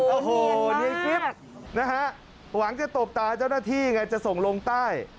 โอ้โหในคลิปนะฮะหวังจะตบตาเจ้าหน้าที่ไงจะส่งลงใต้